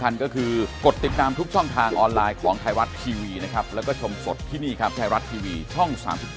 เราก็อยากเอาลูกหนีไปก่อน